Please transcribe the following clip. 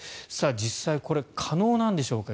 実際にこれは可能なんでしょうか。